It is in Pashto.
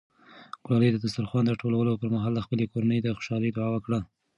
ګلالۍ د دسترخوان د ټولولو پر مهال د خپلې کورنۍ د خوشحالۍ دعا وکړه.